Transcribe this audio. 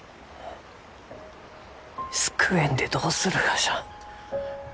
救えんでどうするがじゃ？